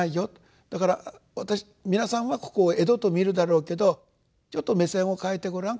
だから皆さんはここを『穢土』と見るだろうけどちょっと目線を変えてごらん。